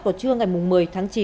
vào trưa ngày một mươi tháng chín